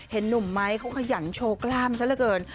เห็นหนุ่มไม้เขาขยันโชว์กล้ามซะละเกิน